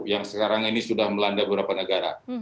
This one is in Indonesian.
yang sekarang ini sudah melanda beberapa negara